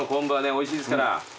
おいしいですから。